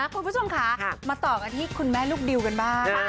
คุณผู้ชมค่ะมาต่อกันที่คุณแม่ลูกดิวกันบ้าง